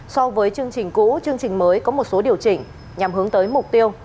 so với chương trình cũ chương trình mới có một số điều chỉnh nhằm hướng tới mục tiêu